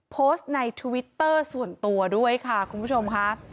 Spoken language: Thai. โพสต์ในทวิตเตอร์ส่วนตัวด้วยค่ะคุณผู้ชมค่ะ